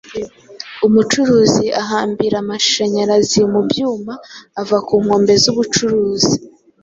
Umucuruzi ahambira amashanyarazi mu byuma, Ava ku nkombe z'ubucuruzi;